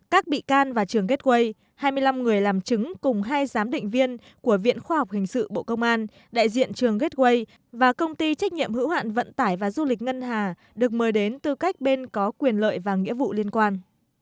các bị can và trường gateway hai mươi năm người làm chứng cùng hai giám định viên của viện khoa học hình sự bộ công an đại diện trường gateway và công ty trách nhiệm hữu hạn vận tải và du lịch ngân hà được mời đến tư cách bên có quyền lợi và nghĩa vụ liên quan